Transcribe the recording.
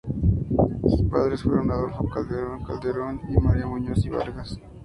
Sus padres fueron Adolfo Calderón Calderón y María Muñoz y Vargas.